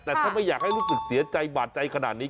แต่ถ้าไม่อยากให้รู้สึกเสียใจบาดใจขนาดนี้